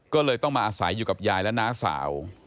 ก็เลยต้องมาอาศัยอยู่กับยายและน้าสาว